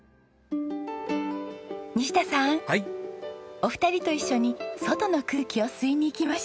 お二人と一緒に外の空気を吸いに行きましょう。